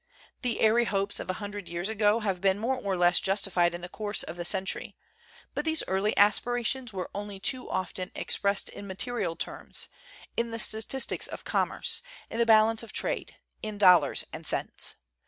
The airy hopes of a hundred years ago have been more or less justified in the course of the century; but these early aspirations were only too often expressed in material terms, in the statistics of commerce, in the balance of trade, in dollars and cents.